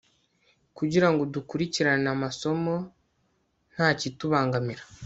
kugira ngo dukurikirane amasomo nta kitubangamira